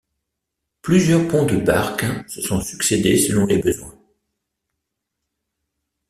Plusieurs ponts de barques se sont succédé selon les besoins.